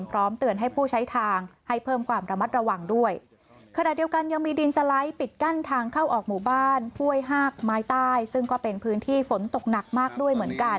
พร้อมเตือนให้ผู้ใช้ทางให้เพิ่มความระมัดระวังด้วย